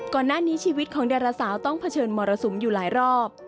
ก่อนหน้านี้ชีวิตของดาราสาวต้องเผชิญมรสุมอยู่หลายรอบ